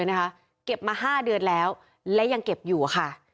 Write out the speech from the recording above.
เลยนะคะเก็บมาห้าเดือนแล้วและยังเก็บอยู่อะค่ะ